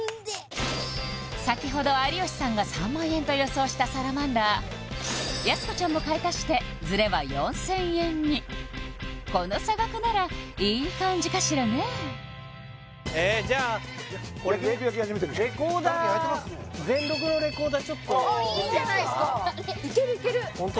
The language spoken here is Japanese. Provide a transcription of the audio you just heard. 先ほど有吉さんが３００００円と予想したサラマンダーやす子ちゃんも買い足してズレは４０００円にこの差額ならいい感じかしらねええじゃあ俺・焼き肉焼き始めてる誰か焼いてますね全録のレコーダーちょっといいじゃないですかいけるいけるホント？